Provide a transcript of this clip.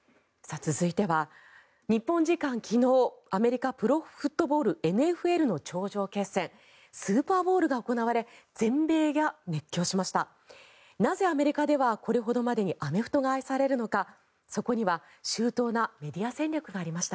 続いては、日本時間昨日アメリカプロフットボールＮＦＬの頂上決戦スーパーボウルが行われ全米が熱狂しました。